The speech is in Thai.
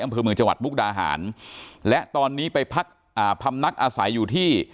อำเภอเมืองจังหวัดมุกดาหารและตอนนี้ไปพักอ่าพำนักอาศัยอยู่ที่